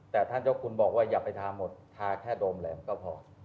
แต่ท่านเจ้าคุณบอกว่าอย่าไปทาหมดทาแค่โดมแหลมก็พอ